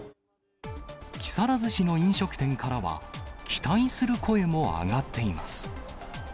木更津市の飲食店からは、期待する声も上がっています。